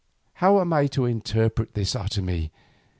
How am I to interpret this, Otomie?